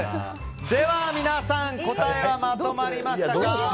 では、皆さん答えはまとまりましたか？